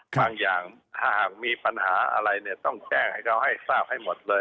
บางอย่างหากมีปัญหาอะไรเนี่ยต้องแจ้งให้เขาให้ทราบให้หมดเลย